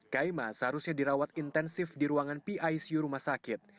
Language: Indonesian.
kaima seharusnya dirawat intensif di ruangan picu rumah sakit